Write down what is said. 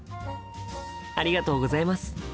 ありがとうございます。